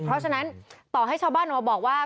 เพราะฉะนั้นต่อให้ชาวบ้านออกมาบอกว่า